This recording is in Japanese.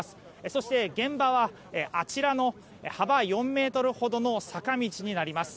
そして、現場はあちらの幅４ｍほどの坂道になります。